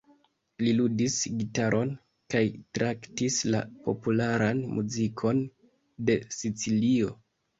Li ludis gitaron kaj traktis la popularan muzikon de Sicilio.